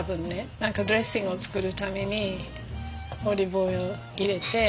何かドレッシングを作るためにオリーブオイル入れて。